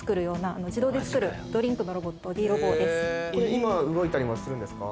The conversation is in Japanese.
今動いたりするんですか？